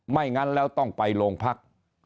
งั้นแล้วต้องไปโรงพัก